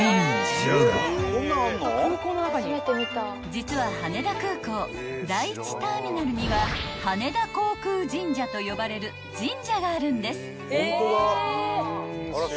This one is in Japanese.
［実は羽田空港第１ターミナルには羽田航空神社と呼ばれる神社があるんです］